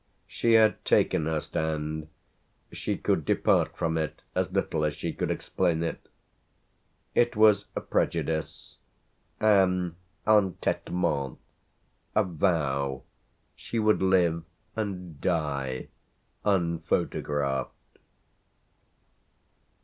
She had taken her stand she could depart from it as little as she could explain it. It was a prejudice, an entêtement, a vow she would live and die unphotographed.